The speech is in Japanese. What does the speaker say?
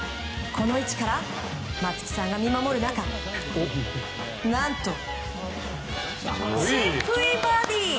この位置から松木さんが見守る中何とチップインバーディー。